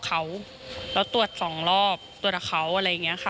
อ่าเดี๋ยวฟองดูนะครับไม่เคยพูดนะครับ